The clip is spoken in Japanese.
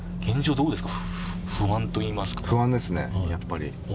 どうですか？